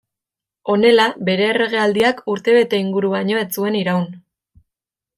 Honela, bere erregealdiak, urte bete inguru baino ez zuen iraun.